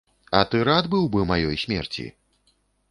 А ты рад быў бы маёй смерці?